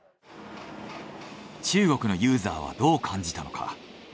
中国のユーザーはどう感じたのか？